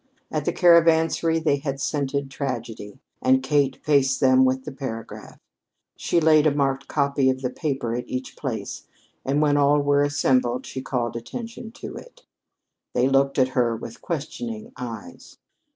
At the Caravansary they had scented tragedy, and Kate faced them with the paragraph. She laid a marked copy of the paper at each place, and when all were assembled, she called attention to it. They looked at her with questioning eyes.